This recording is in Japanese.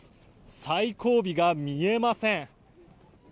最後尾が見えません。